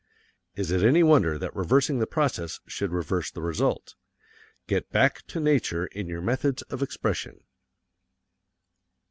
Is it any wonder that reversing the process should reverse the result? Get back to nature in your methods of expression.